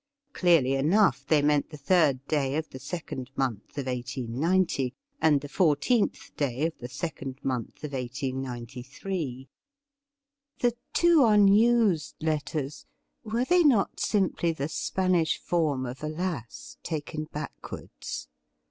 Clearly enough, they meant the third day of the second month of 1890, and the fourteenth day of the second month of 1893. The two unused letters — ^were they not simply the Spanish form of 'Alas ' taken backwards